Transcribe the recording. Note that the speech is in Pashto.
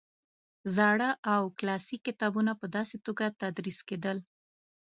زاړه او کلاسیک کتابونه په داسې توګه تدریس کېدل.